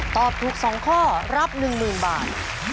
ตอบถูก๒ข้อรับ๑๐๐๐บาท